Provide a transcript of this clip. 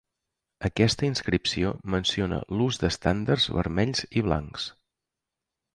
Aquesta inscripció menciona l'ús d'estendards vermells i blancs.